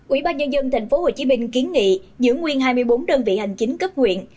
ubnd thành phố hồ chí minh kiến nghị giữ nguyên hai mươi bốn đơn vị hành chính cấp huyện